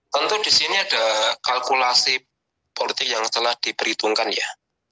tentu di sini ada kalkulasi politik yang telah diperhitungkan ya